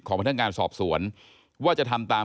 พนักงานสอบสวนว่าจะทำตาม